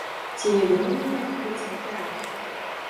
Ці не думалі вы адкрыць свой тэатр?